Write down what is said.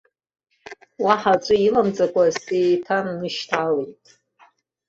Уаҳа аҵәы иламҵакәа, сеиҭанышьҭалеит.